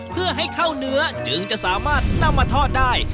เพื่อให้เข้าเนื้อจึงจะสามารถนำมาทอดได้